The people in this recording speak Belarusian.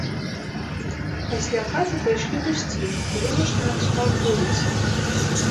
Пасля хаты пайшлі гусцей, было нешта накшталт вуліцы.